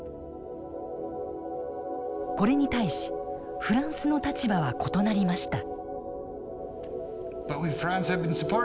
これに対しフランスの立場は異なりました。